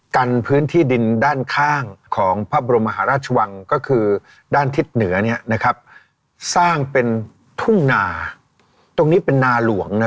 ก็คือด้านทิศเหนือสร้างเป็นทุ่งนาตรงนี้เป็นนาหลวง